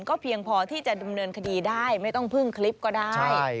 ก็เพียงพอที่จะดำเนินคดีได้ไม่ต้องพึ่งคลิปก็ได้